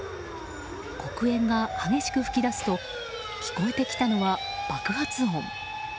黒煙が激しく噴き出すと聞こえてきたのは爆発音。